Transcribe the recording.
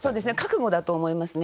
覚悟だと思いますね。